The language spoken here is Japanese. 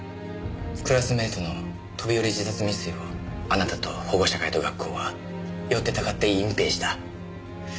クラスメートの飛び降り自殺未遂をあなたと保護者会と学校はよってたかって隠蔽した。